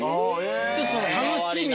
ちょっと楽しみ。